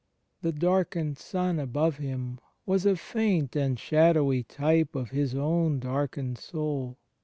The darkened sun above Him was a faint and shadowy type of His own darkened Soul.